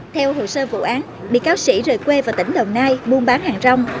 theo hồ sơ vụ án bị cáo sĩ rời quê vào tỉnh đồng nai buôn bán hàng rong